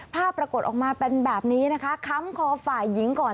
ปรากฏออกมาเป็นแบบนี้นะคะค้ำคอฝ่ายหญิงก่อน